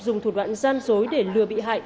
dùng thủ đoạn gian dối để lừa bị hại